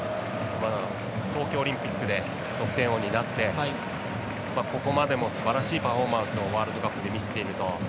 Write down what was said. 東京オリンピックで得点王になってここまでもすばらしいパフォーマンスをワールドカップで見せていると。